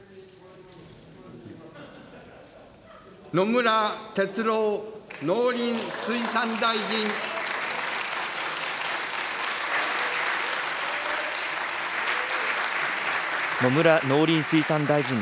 野村哲郎農林水産大臣。